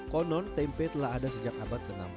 konon tempe telah ada sejak abad ke enam belas